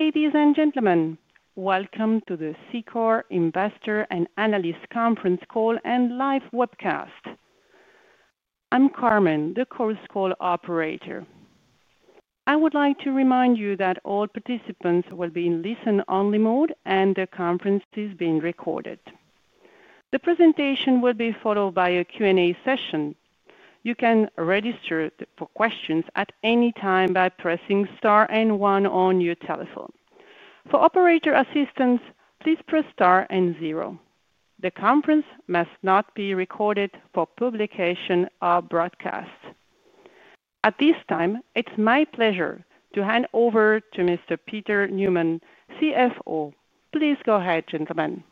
Ladies and gentlemen, welcome to the Cicor investor and analyst conference call and live webcast. I'm Carmen, the course call operator. I would like to remind you that all participants will be in listen-only mode, and the conference is being recorded. The presentation will be followed by a Q&A session. You can register for questions at any time by pressing star and one on your telephone. For operator assistance, please press star and zero. The conference must not be recorded for publication or broadcast. At this time, it's my pleasure to hand over to Mr. Peter Neumann, CFO. Please go ahead, gentlemen.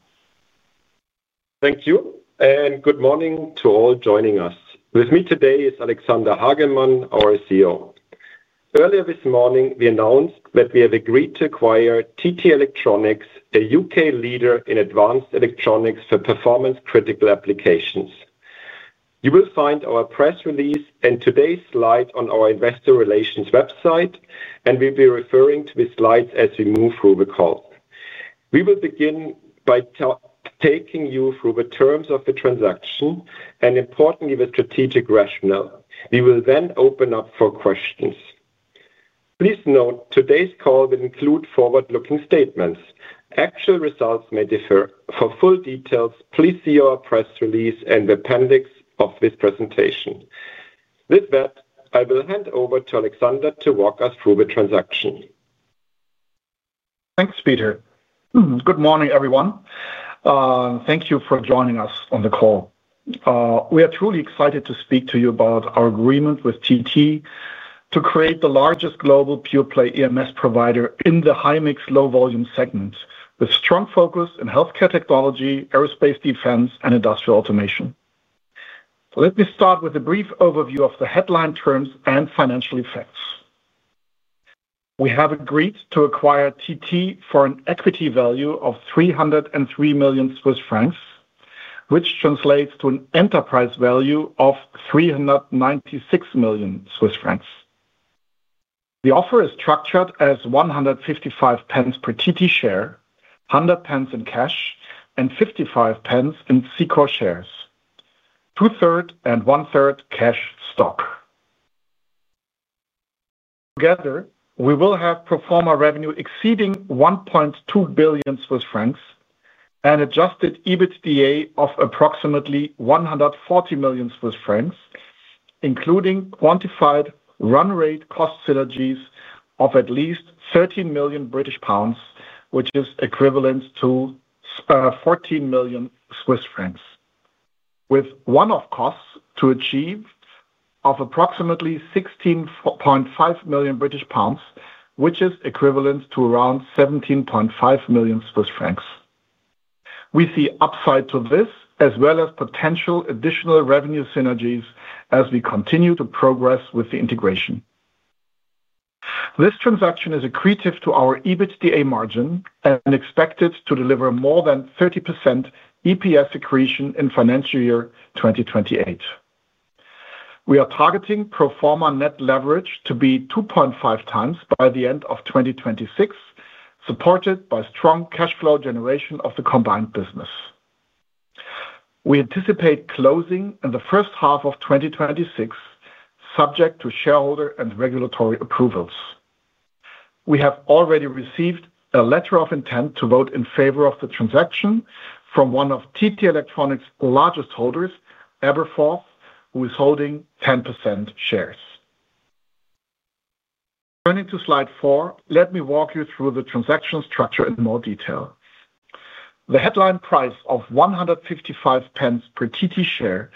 Thank you, and good morning to all joining us. With me today is Alexander Hagemann, our CEO. Earlier this morning, we announced that we have agreed to acquire TT Electronics plc, a UK leader in advanced electronics for performance-critical applications. You will find our press release and today's slide on our investor relations website, and we'll be referring to the slides as we move through the call. We will begin by taking you through the terms of the transaction and, importantly, the strategic rationale. We will then open up for questions. Please note today's call will include forward-looking statements. Actual results may differ. For full details, please see our press release and the appendix of this presentation. With that, I will hand over to Alexander to walk us through the transaction. Thanks, Peter. Good morning, everyone. Thank you for joining us on the call. We are truly excited to speak to you about our agreement with TT Electronics plc to create the largest global pure-play electronic manufacturing services provider in the high-mix, low-volume segment with strong focus in healthcare technology, aerospace defense, and industrial automation. Let me start with a brief overview of the headline terms and financial effects. We have agreed to acquire TT Electronics plc for an equity value of 303 million Swiss francs, which translates to an enterprise value of 396 million Swiss francs. The offer is structured as 1.55 per TT share, 1.00 in cash, and 0.55 in Cicor shares, two-thirds and one-third cash stock. Together, we will have pro forma revenue exceeding 1.2 billion Swiss francs and an adjusted EBITDA of approximately 140 million Swiss francs, including quantified run-rate cost synergies of at least 13 million British pounds, which is equivalent to 14 million Swiss francs, with one-off costs to achieve of approximately 16.5 million British pounds, which is equivalent to around 17.5 million Swiss francs. We see upside to this as well as potential additional revenue synergies as we continue to progress with the integration. This transaction is accretive to our EBITDA margin and expected to deliver more than 30% EPS accretion in financial year 2028. We are targeting pro forma net leverage to be 2.5x by the end of 2026, supported by strong cash flow generation of the combined business. We anticipate closing in the first half of 2026, subject to shareholder and regulatory approvals. We have already received a letter of intent to vote in favor of the transaction from one of TT Electronics plc's largest holders, Everforce, who is holding 10% shares. Turning to slide four, let me walk you through the transaction structure in more detail. The headline price of 1.55 per TT share,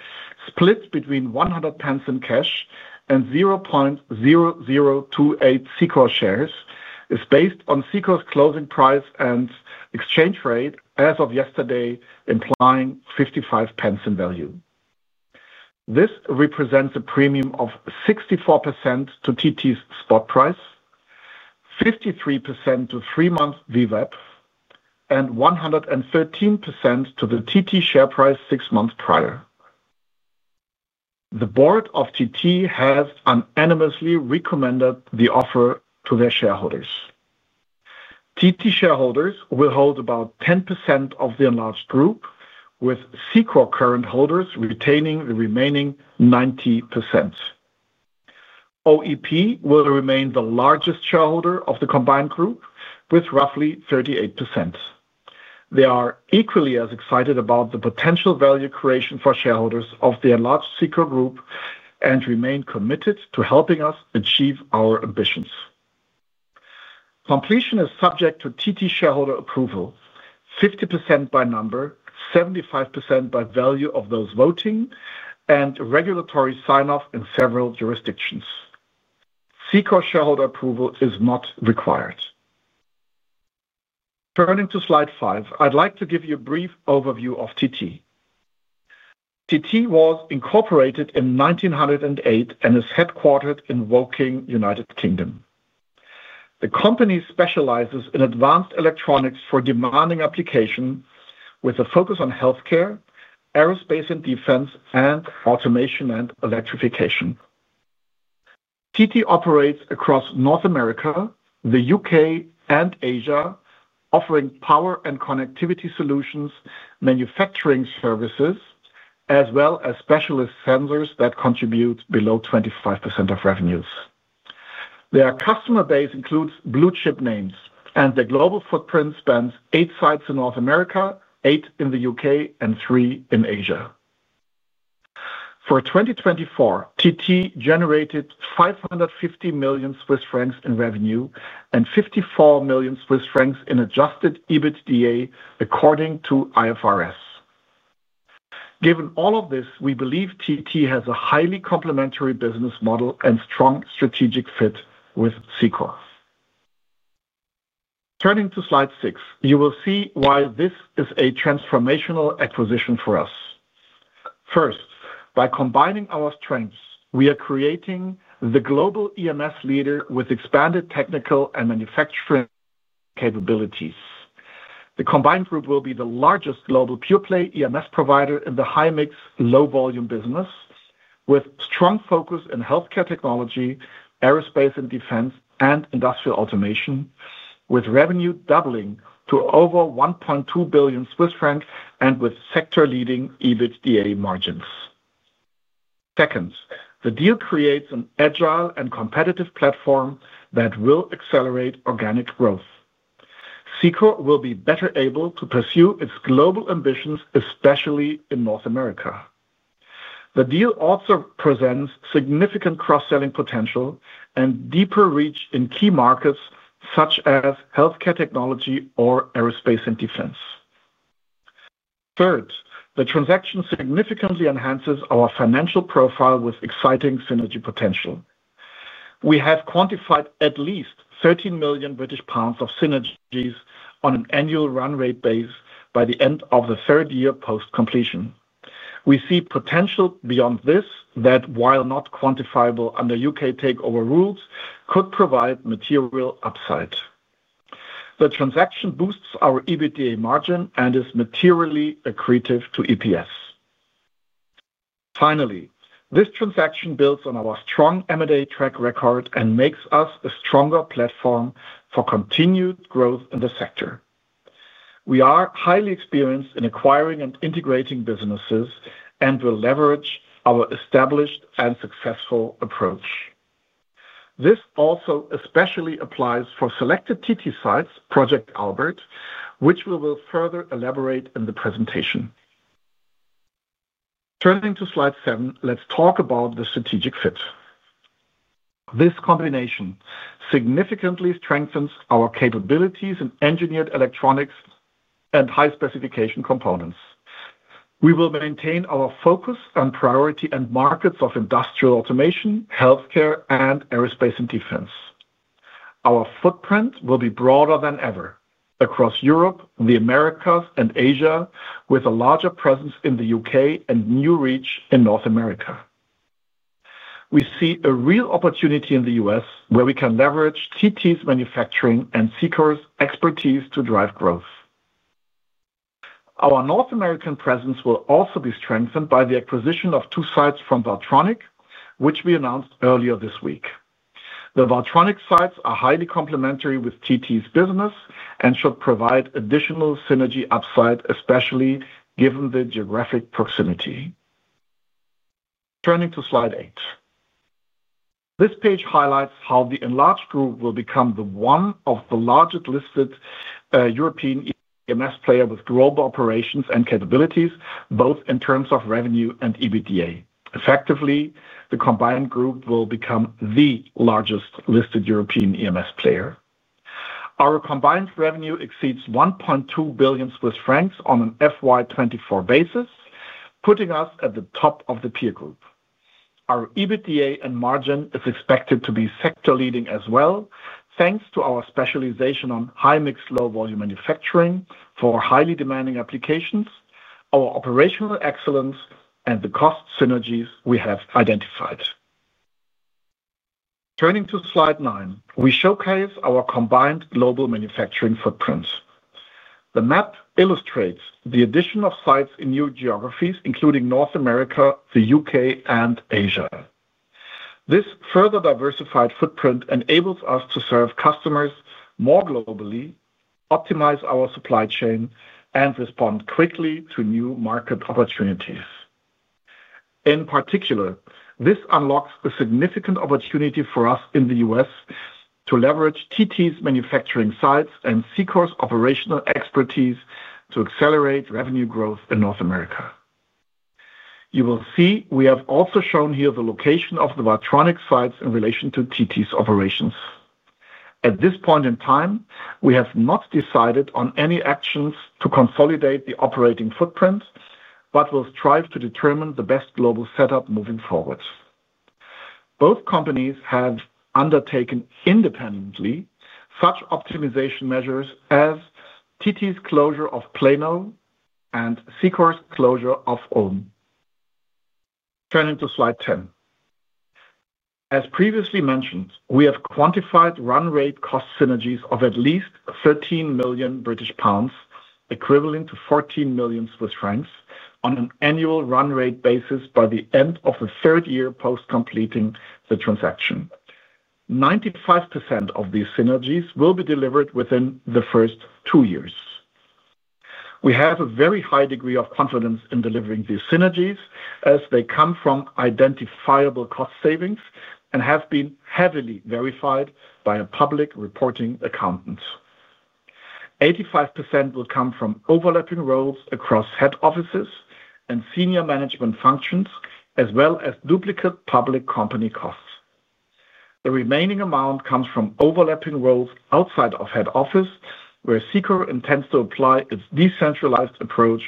split between 1.00 in cash and 0.0028 Cicor shares, is based on Cicor's closing price and exchange rate as of yesterday, implying 0.55 in value. This represents a premium of 64% to TT's spot price, 53% to three-month VWAP, and 113% to the TT share price six months prior. The board of TT Electronics plc has unanimously recommended the offer to their shareholders. TT shareholders will hold about 10% of the enlarged group, with Cicor current holders retaining the remaining 90%. OEP will remain the largest shareholder of the combined group, with roughly 38%. They are equally as excited about the potential value creation for shareholders of the enlarged Cicor group and remain committed to helping us achieve our ambitions. Completion is subject to TT shareholder approval, 50% by number, 75% by value of those voting, and regulatory sign-off in several jurisdictions. Cicor shareholder approval is not required. Turning to slide five, I'd like to give you a brief overview of TT. TT was incorporated in 1908 and is headquartered in Woking, United Kingdom. The company specializes in advanced electronics for demanding applications, with a focus on healthcare, aerospace and defense, and automation and electrification. TT operates across North America, the UK, and Asia, offering power and connectivity solutions, manufacturing services, as well as specialist sensors that contribute below 25% of revenues. Their customer base includes blue-chip names, and their global footprint spans eight sites in North America, eight in the UK, and three in Asia. For 2024, TT generated 550 million Swiss francs in revenue and 54 million Swiss francs in adjusted EBITDA according to IFRS. Given all of this, we believe TT has a highly complementary business model and strong strategic fit with Cicor. Turning to slide six, you will see why this is a transformational acquisition for us. First, by combining our strengths, we are creating the global EMS leader with expanded technical and manufacturing capabilities. The combined group will be the largest global pure-play EMS provider in the high-mix, low-volume business, with strong focus in healthcare technology, aerospace and defense, and industrial automation, with revenue doubling to over 1.2 billion Swiss francs and with sector-leading EBITDA margins. Second, the deal creates an agile and competitive platform that will accelerate organic growth. Cicor will be better able to pursue its global ambitions, especially in North America. The deal also presents significant cross-selling potential and deeper reach in key markets such as healthcare technology or aerospace and defense. Third, the transaction significantly enhances our financial profile with exciting synergy potential. We have quantified at least 13 million British pounds of synergies on an annual run-rate base by the end of the third year post-completion. We see potential beyond this that, while not quantifiable under UK takeover rules, could provide material upside. The transaction boosts our EBITDA margin and is materially accretive to EPS. Finally, this transaction builds on our strong M&A track record and makes us a stronger platform for continued growth in the sector. We are highly experienced in acquiring and integrating businesses and will leverage our established and successful approach. This also especially applies for selected TT sites, Project Albert, which we will further elaborate in the presentation. Turning to slide seven, let's talk about the strategic fit. This combination significantly strengthens our capabilities in engineered electronics and high-specification components. We will maintain our focus and priority in markets of industrial automation, healthcare, and aerospace and defense. Our footprint will be broader than ever across Europe, the Americas, and Asia, with a larger presence in the UK and new reach in North America. We see a real opportunity in the U.S. where we can leverage TT's manufacturing and Cicor's expertise to drive growth. Our North American presence will also be strengthened by the acquisition of two sites from Valtronic, which we announced earlier this week. The Valtronic sites are highly complementary with TT's business and should provide additional synergy upside, especially given the geographic proximity. Turning to slide eight, this page highlights how the enlarged group will become one of the largest listed European EMS players with global operations and capabilities, both in terms of revenue and EBITDA. Effectively, the combined group will become the largest listed European EMS player. Our combined revenue exceeds 1.2 billion Swiss francs on an FY2024 basis, putting us at the top of the peer group. Our EBITDA and margin are expected to be sector-leading as well, thanks to our specialization on high-mix, low-volume manufacturing for highly demanding applications, our operational excellence, and the cost synergies we have identified. Turning to slide nine, we showcase our combined global manufacturing footprint. The map illustrates the addition of sites in new geographies, including North America, the UK, and Asia. This further diversified footprint enables us to serve customers more globally, optimize our supply chain, and respond quickly to new market opportunities. In particular, this unlocks a significant opportunity for us in the U.S. to leverage TT's manufacturing sites and Cicor's operational expertise to accelerate revenue growth in North America. You will see we have also shown here the location of the Valtronic sites in relation to TT's operations. At this point in time, we have not decided on any actions to consolidate the operating footprint, but we'll strive to determine the best global setup moving forward. Both companies have undertaken independently such optimization measures as TT's closure of Plano and Cicor's closure of Ulm. Turning to slide ten, as previously mentioned, we have quantified run-rate cost synergies of at least 13 million British pounds, equivalent to 14 million Swiss francs, on an annual run-rate basis by the end of the third year post-completing the transaction. 95% of these synergies will be delivered within the first two years. We have a very high degree of confidence in delivering these synergies as they come from identifiable cost savings and have been heavily verified by a public reporting accountant. 85% will come from overlapping roles across head offices and senior management functions, as well as duplicate public company costs. The remaining amount comes from overlapping roles outside of head office, where Cicor intends to apply its decentralized approach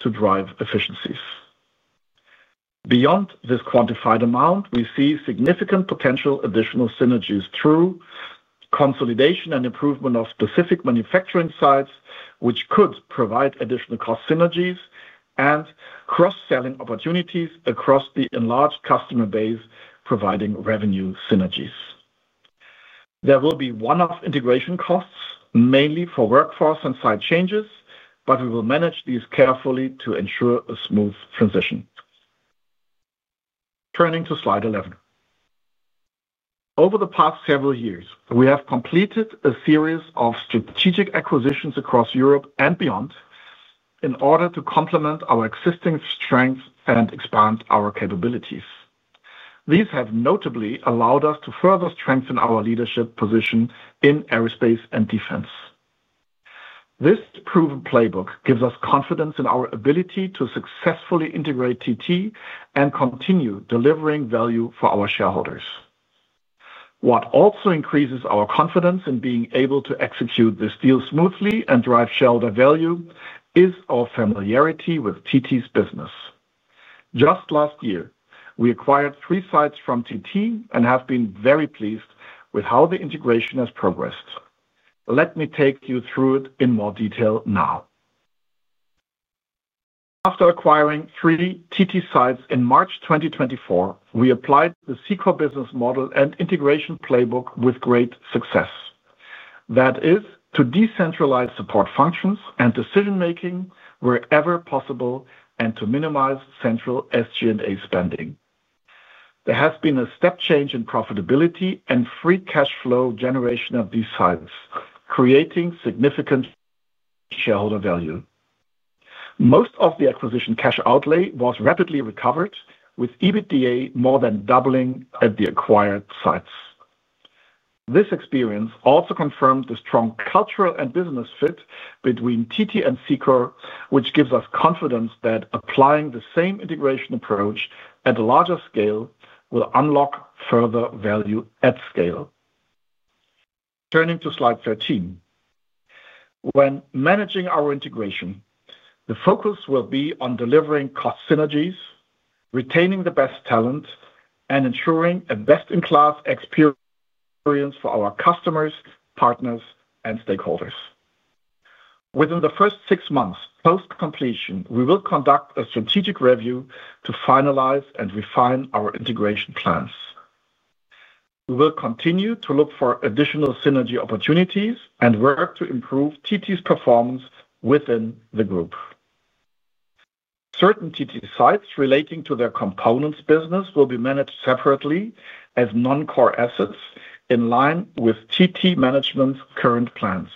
to drive efficiencies. Beyond this quantified amount, we see significant potential additional synergies through consolidation and improvement of specific manufacturing sites, which could provide additional cost synergies and cross-selling opportunities across the enlarged customer base, providing revenue synergies. There will be one-off integration costs, mainly for workforce and site changes, but we will manage these carefully to ensure a smooth transition. Turning to slide 11, over the past several years, we have completed a series of strategic acquisitions across Europe and beyond in order to complement our existing strengths and expand our capabilities. These have notably allowed us to further strengthen our leadership position in aerospace and defense. This proven playbook gives us confidence in our ability to successfully integrate TT and continue delivering value for our shareholders. What also increases our confidence in being able to execute this deal smoothly and drive shareholder value is our familiarity with TT's business. Just last year, we acquired three sites from TT and have been very pleased with how the integration has progressed. Let me take you through it in more detail now. After acquiring three TT sites in March 2024, we applied the Cicor business model and integration playbook with great success. That is to decentralize support functions and decision-making wherever possible and to minimize central SG&A spending. There has been a step change in profitability and free cash flow generation of these sites, creating significant shareholder value. Most of the acquisition cash outlay was rapidly recovered, with EBITDA more than doubling at the acquired sites. This experience also confirmed the strong cultural and business fit between TT and Cicor, which gives us confidence that applying the same integration approach at a larger scale will unlock further value at scale. Turning to slide 13, when managing our integration, the focus will be on delivering cost synergies, retaining the best talent, and ensuring a best-in-class experience for our customers, partners, and stakeholders. Within the first six months post-completion, we will conduct a strategic review to finalize and refine our integration plans. We will continue to look for additional synergy opportunities and work to improve TT's performance within the group. Certain TT sites relating to their components business will be managed separately as non-core assets in line with TT management's current plans.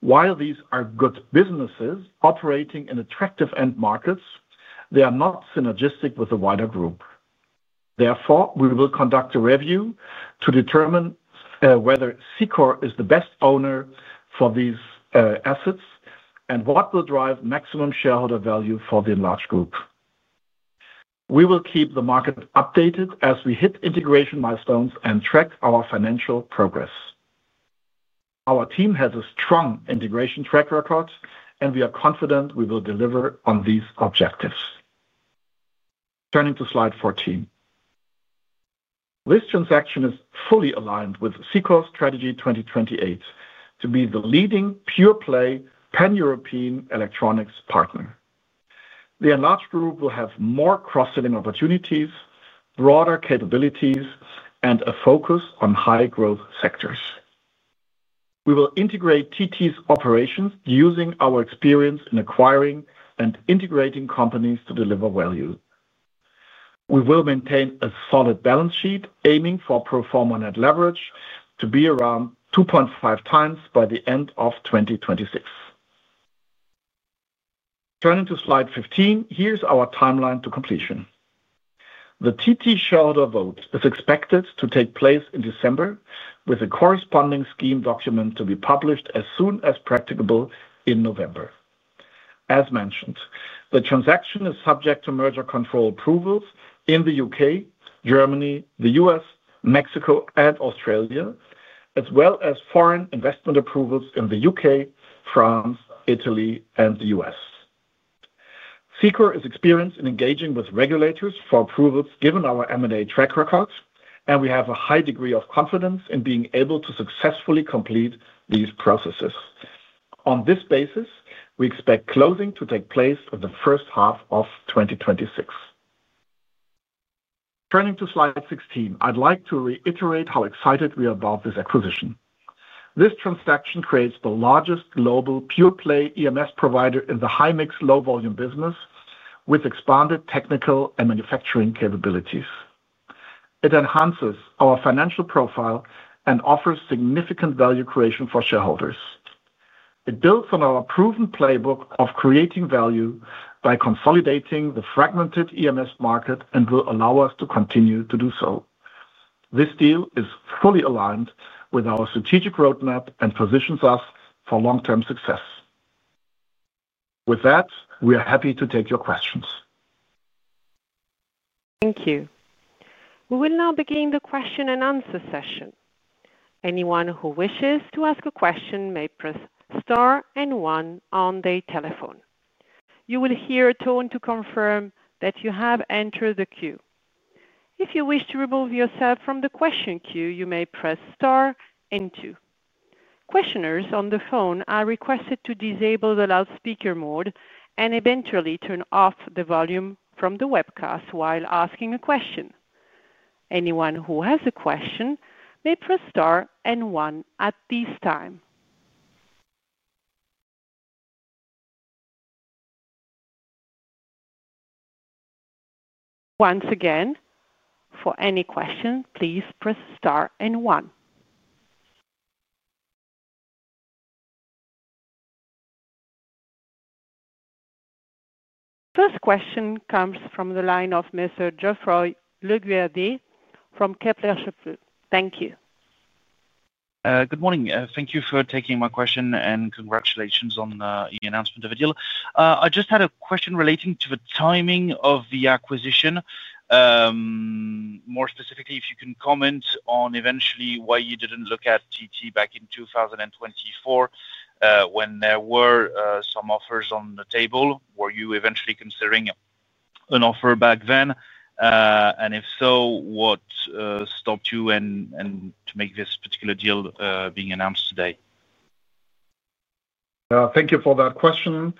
While these are good businesses operating in attractive end markets, they are not synergistic with the wider group. Therefore, we will conduct a review to determine whether Cicor is the best owner for these assets and what will drive maximum shareholder value for the large group. We will keep the market updated as we hit integration milestones and track our financial progress. Our team has a strong integration track record, and we are confident we will deliver on these objectives. Turning to slide 14, this transaction is fully aligned with Cicor's strategy 2028 to be the leading pure-play pan-European electronics partner. The enlarged group will have more cross-selling opportunities, broader capabilities, and a focus on high-growth sectors. We will integrate TT's operations using our experience in acquiring and integrating companies to deliver value. We will maintain a solid balance sheet, aiming for pro forma net leverage to be around 2.5x by the end of 2026. Turning to slide 15, here's our timeline to completion. The TT shareholder vote is expected to take place in December, with a corresponding scheme document to be published as soon as practicable in November. As mentioned, the transaction is subject to merger control approvals in the UK, Germany, the U.S., Mexico, and Australia, as well as foreign investment approvals in the UK, France, Italy, and the U.S. Cicor is experienced in engaging with regulators for approvals given our M&A track record, and we have a high degree of confidence in being able to successfully complete these processes. On this basis, we expect closing to take place in the first half of 2026. Turning to slide 16, I'd like to reiterate how excited we are about this acquisition. This transaction creates the largest global pure-play EMS provider in the high-mix, low-volume segment, with expanded technical and manufacturing capabilities. It enhances our financial profile and offers significant value creation for shareholders. It builds on our proven playbook of creating value by consolidating the fragmented EMS market and will allow us to continue to do so. This deal is fully aligned with our strategic roadmap and positions us for long-term success. With that, we are happy to take your questions. Thank you. We will now begin the question and answer session. Anyone who wishes to ask a question may press star and one on their telephone. You will hear a tone to confirm that you have entered the queue. If you wish to remove yourself from the question queue, you may press star and two. Questioners on the phone are requested to disable the loudspeaker mode and eventually turn off the volume from the webcast while asking a question. Anyone who has a question may press star and one at this time. Once again, for any question, please press star and one. First question comes from the line of Mr. Geoffroy Le Guyader from Kepler Cheuvreux. Thank you. Good morning. Thank you for taking my question and congratulations on the announcement of a deal. I just had a question relating to the timing of the acquisition. More specifically, if you can comment on eventually why you didn't look at TT back in 2024 when there were some offers on the table. Were you eventually considering an offer back then? If so, what stopped you to make this particular deal being announced today? Thank you for that question.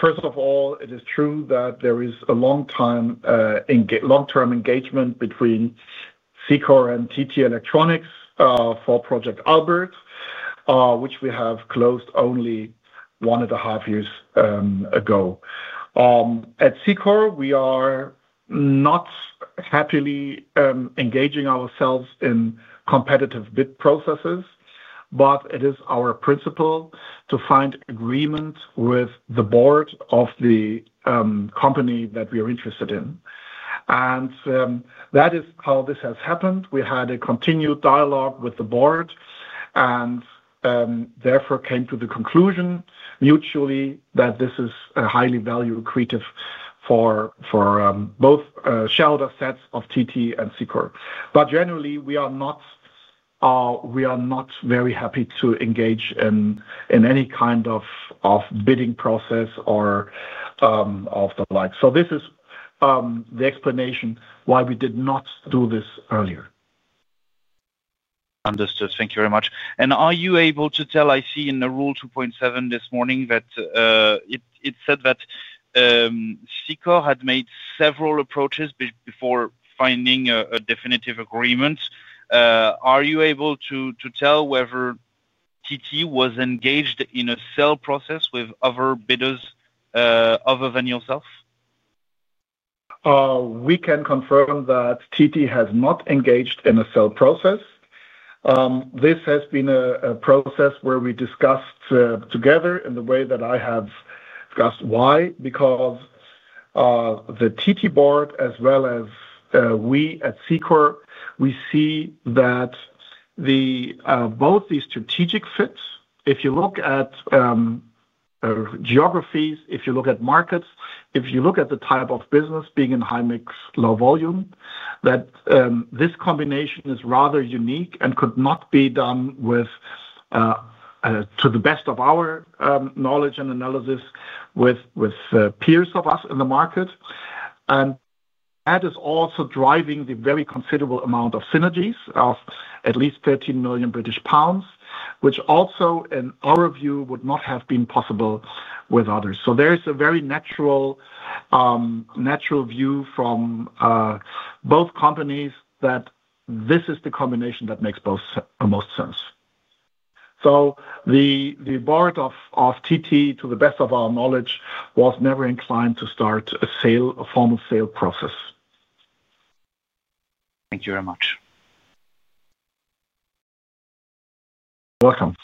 First of all, it is true that there is a long-term engagement between Cicor Technologies Ltd and TT Electronics plc for Project Albert, which we have closed only one and a half years ago. At Cicor, we are not happily engaging ourselves in competitive bid processes, but it is our principle to find agreement with the board of the company that we are interested in. That is how this has happened. We had a continued dialogue with the board and therefore came to the conclusion mutually that this is a highly valuable, accretive for both shareholder sets of TT Electronics plc and Cicor Technologies Ltd Generally, we are not very happy to engage in any kind of bidding process or the like. This is the explanation why we did not do this earlier. Understood. Thank you very much. Are you able to tell, I see in the Rule 2.7 this morning that it said that Cicor had made several approaches before finding a definitive agreement. Are you able to tell whether TT was engaged in a sale process with other bidders other than yourself? We can confirm that TT Electronics plc has not engaged in a sale process. This has been a process where we discussed together in the way that I have discussed. Why? Because the TT board, as well as we at Cicor, we see that both the strategic fit, if you look at geographies, if you look at markets, if you look at the type of business being in high-mix, low-volume, that this combination is rather unique and could not be done with, to the best of our knowledge and analysis, with peers of us in the market. That is also driving the very considerable amount of synergies of at least 13 million British pounds, which also in our view would not have been possible with others. There is a very natural view from both companies that this is the combination that makes most sense. The board of TT, to the best of our knowledge, was never inclined to start a sale or formal sale process. Thank you very much. You're welcome.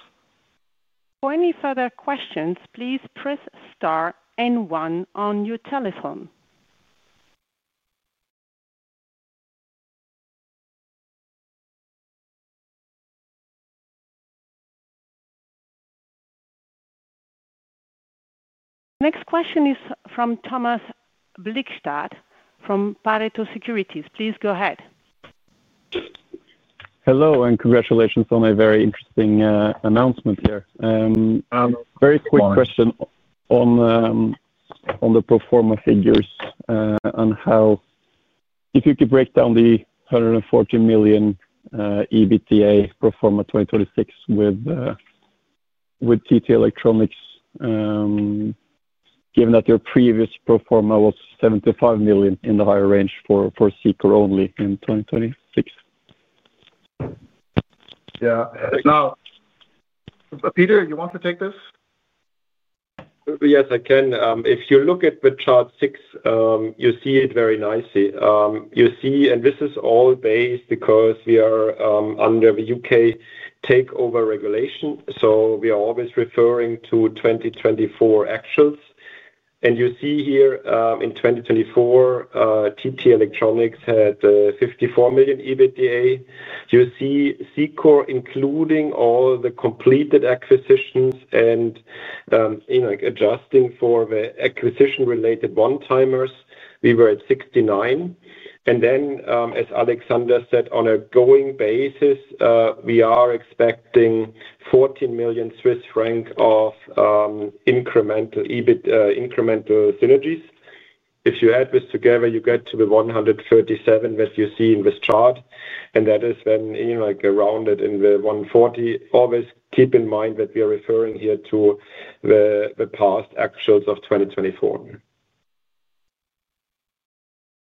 For any further questions, please press star and one on your telephone. Next question is from Thomas Blikstad from Pareto Securities. Please go ahead. Hello, and congratulations on a very interesting announcement here. Very quick question on the pro forma figures and how, if you could break down the $140 million EBITDA pro forma 2026 with TT Electronics, given that your previous pro forma was $75 million in the higher range for Cicor only in 2026. Yeah. Now, Peter, you want to take this? Yes, I can. If you look at chart six, you see it very nicely. You see, and this is all based because we are under the UK takeover regulation, so we are always referring to 2024 actions. You see here in 2024, TT Electronics had 54 million EBITDA. You see Cicor, including all the completed acquisitions and adjusting for the acquisition-related one-timers, we were at 69 million. As Alexander said, on a going basis, we are expecting 14 million Swiss franc of incremental EBITDA synergies. If you add this together, you get to the 137 million that you see in this chart. That is when you round it in the 140 million. Always keep in mind that we are referring here to the past actuals of 2024.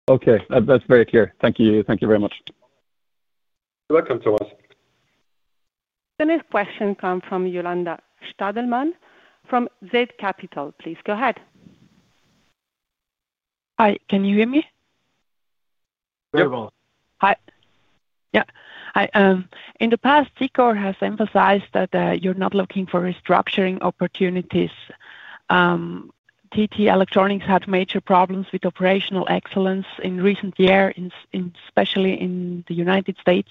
Okay, that's very clear. Thank you. Thank you very much. You're welcome, Thomas. The next question comes from Jolanda Stadelmann from Z Capital. Please go ahead. Hi, can you hear me? Yes. Yeah. In the past, Cicor has emphasized that you're not looking for restructuring opportunities. TT Electronics had major problems with operational excellence in recent years, especially in the United States.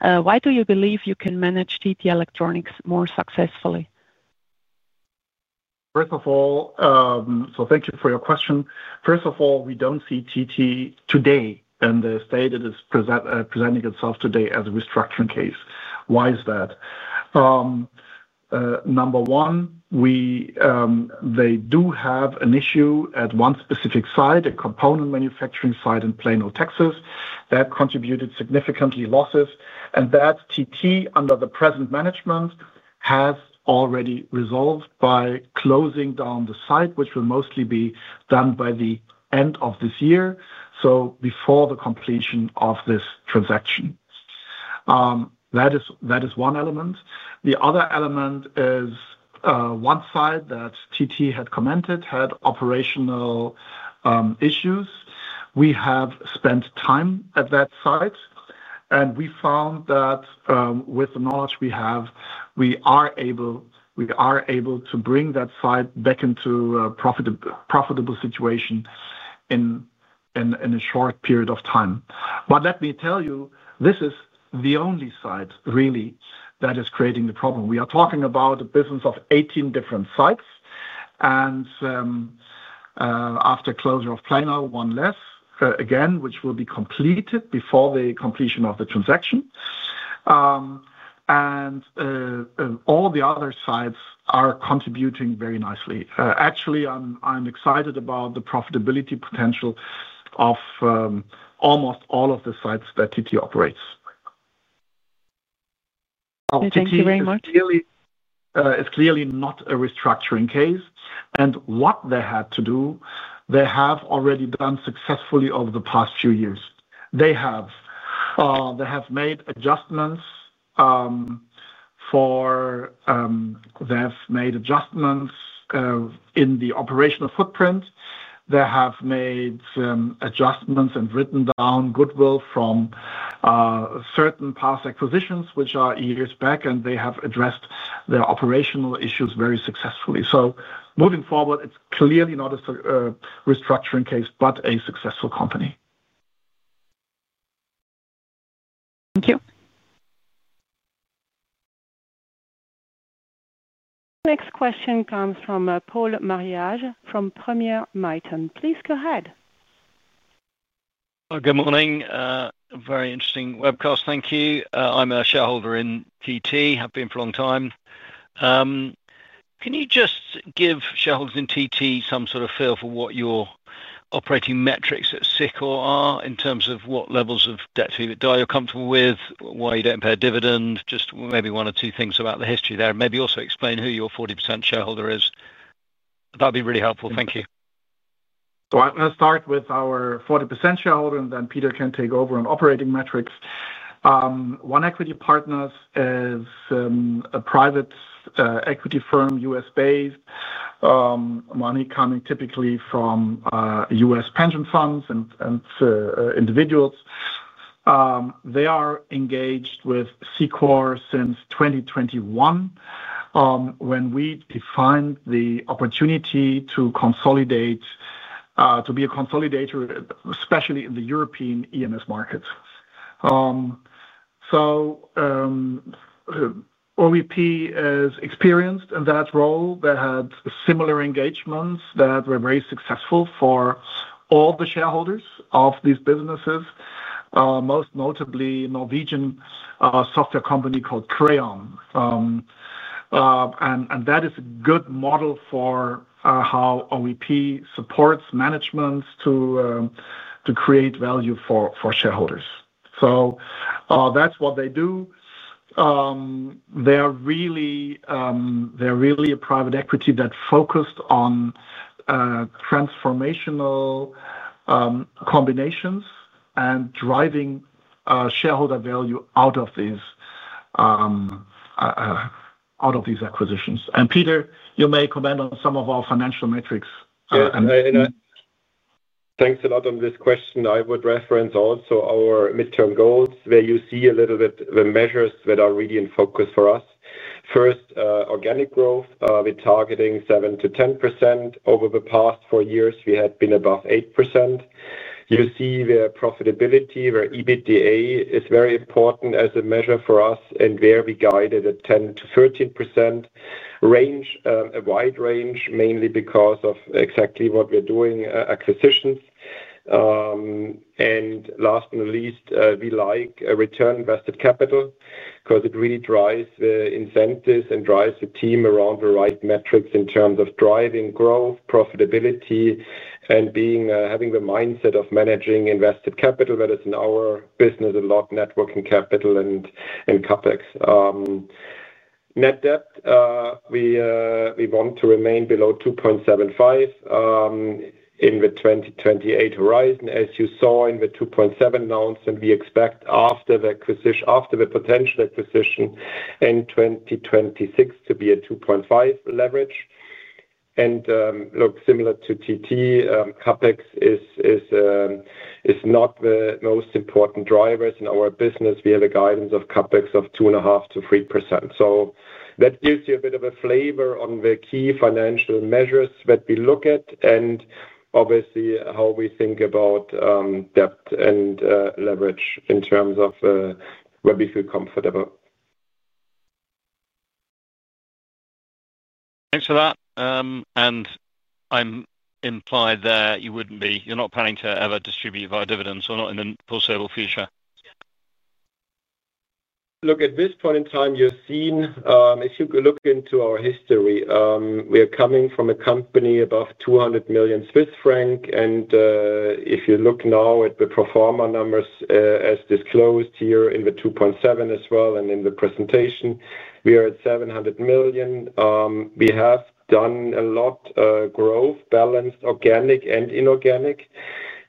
Why do you believe you can manage TT Electronics more successfully? First of all, thank you for your question. First of all, we don't see TT today in the state it is presenting itself today as a restructuring case. Why is that? Number one, they do have an issue at one specific site, a component manufacturing site in Plano, Texas. That contributed significant losses, and that TT, under the present management, has already resolved by closing down the site, which will mostly be done by the end of this year, before the completion of this transaction. That is one element. The other element is one site that TT had commented had operational issues. We have spent time at that site, and we found that with the knowledge we have, we are able to bring that site back into a profitable situation in a short period of time. Let me tell you, this is the only site, really, that is creating the problem. We are talking about a business of 18 different sites, and after closure of Plano, one less, which will be completed before the completion of the transaction. All the other sites are contributing very nicely. Actually, I'm excited about the profitability potential of almost all of the sites that TT operates. Thank you very much. It's clearly not a restructuring case. What they had to do, they have already done successfully over the past few years. They have made adjustments. They have made adjustments in the operational footprint. They have made adjustments and written down goodwill from certain past acquisitions, which are years back, and they have addressed their operational issues very successfully. Moving forward, it's clearly not a restructuring case, but a successful company. Thank you. Next question comes from Paul Marriage from Premier Miton. Please go ahead. Good morning. Very interesting webcast. Thank you. I'm a shareholder in TT. I have been for a long time. Can you just give shareholders in TT some sort of feel for what your operating metrics at Cicor are in terms of what levels of debt to EBITDA you're comfortable with, why you don't pay a dividend? Just maybe one or two things about the history there, and maybe also explain who your 40% shareholder is. That would be really helpful. Thank you. All right. Let's start with our 40% shareholder, and then Peter can take over on operating metrics. One Equity Partners is a private equity firm, U.S.-based, money coming typically from U.S. pension funds and individuals. They are engaged with Cicor since 2021, when we defined the opportunity to consolidate, to be a consolidator, especially in the European EMS market. OEP is experienced in that role. They had similar engagements that were very successful for all the shareholders of these businesses, most notably a Norwegian software company called Creon. That is a good model for how OEP supports management to create value for shareholders. That's what they do. They are really a private equity that focused on transformational combinations and driving shareholder value out of these acquisitions. Peter, you may comment on some of our financial metrics. Thanks a lot on this question. I would reference also our midterm goals where you see a little bit the measures that are really in focus for us. First, organic growth. We're targeting 7% to 10%. Over the past four years, we had been above 8%. You see where profitability, where EBITDA is very important as a measure for us, and where we guided a 10% to 13% range, a wide range, mainly because of exactly what we're doing, acquisitions. Last but not least, we like return on invested capital because it really drives the incentives and drives the team around the right metrics in terms of driving growth, profitability, and having the mindset of managing invested capital. That is in our business, a lot of networking capital and CapEx. Net debt, we want to remain below 2.75 in the 2028 horizon. As you saw in the 2.7 announcement, we expect after the potential acquisition in 2026 to be at 2.5 leverage. Look, similar to TT, CapEx is not the most important driver in our business. We have a guidance of CapEx of 2.5% to 3%. That gives you a bit of a flavor on the key financial measures that we look at and obviously how we think about debt and leverage in terms of where we feel comfortable. Thanks for that. I imply that you wouldn't be. You're not planning to ever distribute via dividends or not in the foreseeable future. Look, at this point in time, you're seeing, if you look into our history, we are coming from a company above 200 million Swiss franc. If you look now at the pro forma numbers as disclosed here in the 2.7 as well and in the presentation, we are at 700 million. We have done a lot of growth, balanced organic and inorganic.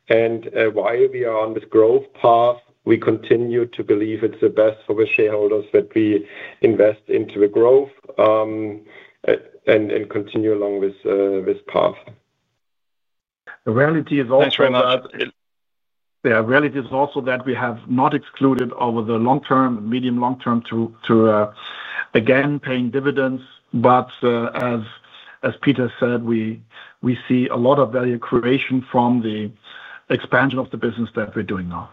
While we are on this growth path, we continue to believe it's the best for the shareholders that we invest into the growth and continue along this path. The reality is also that we have not excluded over the long term, medium-long term, to again paying dividends. As Peter said, we see a lot of value creation from the expansion of the business that we're doing now.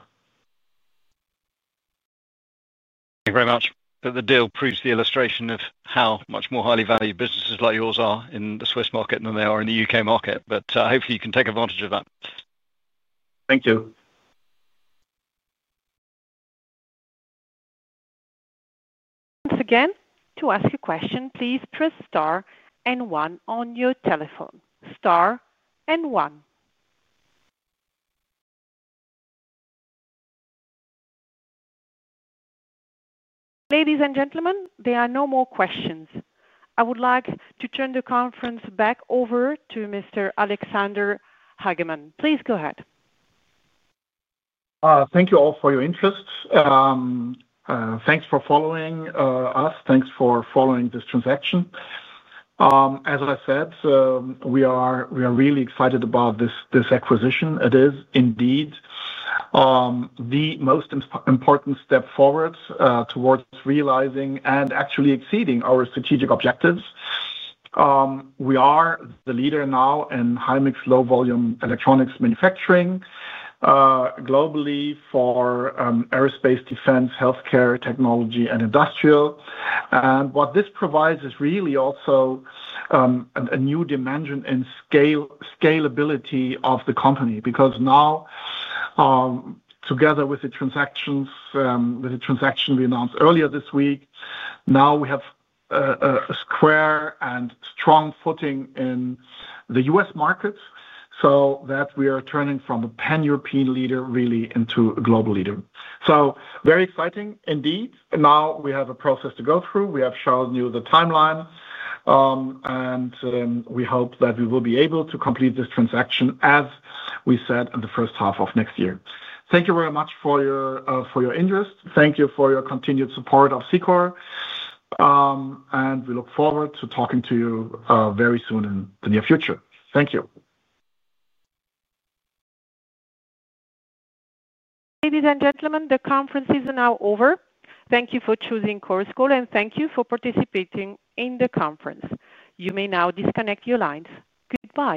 Thank you very much. The deal proves the illustration of how much more highly valued businesses like yours are in the Swiss market than they are in the UK market. Hopefully, you can take advantage of that. Thank you. Once again, to ask a question, please press star and one on your telephone. Star and one. Ladies and gentlemen, there are no more questions. I would like to turn the conference back over to Mr. Alexander Hagemann. Please go ahead. Thank you all for your interest. Thanks for following us. Thanks for following this transaction. As I said, we are really excited about this acquisition. It is indeed the most important step forward towards realizing and actually exceeding our strategic objectives. We are the leader now in high-mix, low-volume electronic manufacturing globally for aerospace, defense, healthcare, technology, and industrial. What this provides is really also a new dimension in scalability of the company because now, together with the transaction we announced earlier this week, we have a square and strong footing in the U.S. market so that we are turning from a pan-European leader really into a global leader. Very exciting indeed. Now we have a process to go through. We have shown you the timeline, and we hope that we will be able to complete this transaction, as we said, in the first half of next year. Thank you very much for your interest. Thank you for your continued support of Cicor, and we look forward to talking to you very soon in the near future. Thank you. Ladies and gentlemen, the conference is now over. Thank you for choosing Cicor, and thank you for participating in the conference. You may now disconnect your lines. Goodbye.